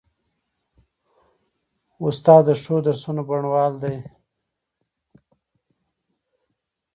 استاد د ښو درسونو بڼوال دی.